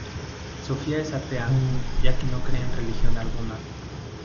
Sofía es atea, ya que no cree en religión alguna.